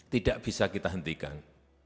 tidak bisa kita hentikan